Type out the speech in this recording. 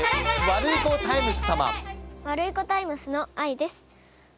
ワルイコタイムスのあいです。